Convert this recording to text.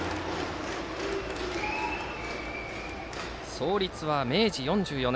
創立は明治４４年。